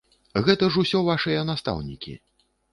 Гэта ж усё вашыя настаўнікі!